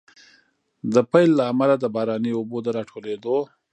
د پيل له امله، د باراني اوبو د راټولېدو